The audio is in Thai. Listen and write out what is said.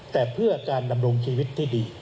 แต่เพื่อการดำรงชีวิตที่ดี